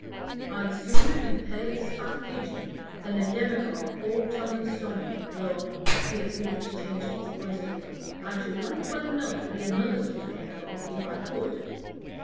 I'd sooner be Paley's fat pigeon than a demagogue all tongue and stomach, though" here Felix changed his voice a little "I should like well enough to be another sort of demagogue, if I could."